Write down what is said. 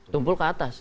tumpul ke atas